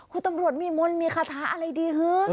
คุณตำรวจมีมนต์มีคาถาอะไรดีฮะ